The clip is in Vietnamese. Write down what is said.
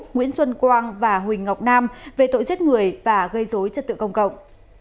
nguyễn xuân quang và huỳnh ngọc nam về tội giết người và gây dối trật tự công cộng